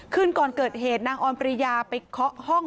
คืนก่อนเกิดเหตุนางออนปริยาไปเคาะห้อง